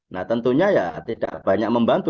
nah tentunya ya tidak banyak membantu